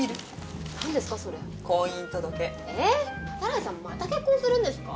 又来さんまた結婚するんですか？